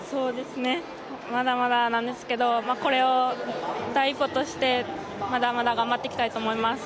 まだまだなんですけどこれを第一歩として、まだまだ頑張っていきたいと思います。